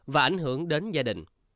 và ảnh hưởng đến gia đình